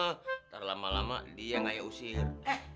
ntar lama lama dia yang ayah usir